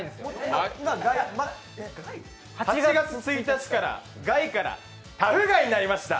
８月１日からガイからタフガイになりました！